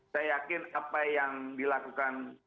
saya yakin apa yang dilakukan